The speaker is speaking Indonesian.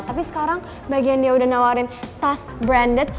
tapi sekarang bagian dia udah nawarin tas branded